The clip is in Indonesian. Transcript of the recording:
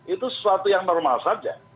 itu sesuatu yang normal saja